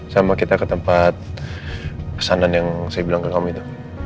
sama kita ke tempat pesanan yang saya bilang ke kamu itu